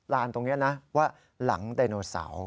ตรงนี้นะว่าหลังไดโนเสาร์